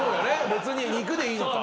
別に「肉」でいいのか。